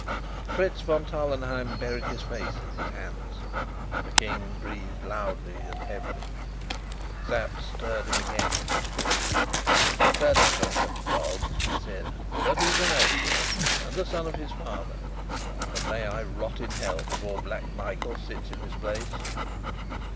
Fritz von Tarlenheim buried his face in his hands. The King breathed loudly and heavily. Sapt stirred him again with his foot. "The drunken dog!" he said; "but he's an Elphberg and the son of his father, and may I rot in hell before Black Michael sits in his place!"